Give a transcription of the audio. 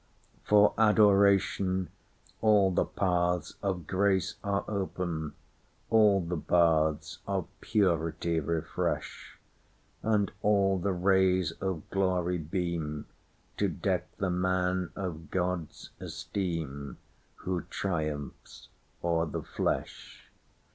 For Adoration, all the pathsOf grace are open, all the bathsOf purity refresh; And all the rays of glory beamTo deck the man of God's esteemWho triumphs o'er the flesh.